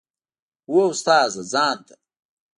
هو استاده ځان ته.